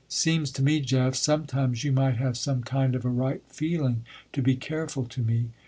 Seems to me, Jeff, sometimes you might have some kind of a right feeling to be careful to me."